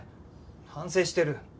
反省してる。